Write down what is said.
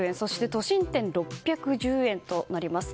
都心店、６１０円となります。